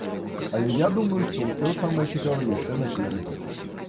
Але я думаю, што ўсё самае цікавае яшчэ наперадзе.